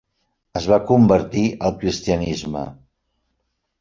Es va convertir al cristianisme.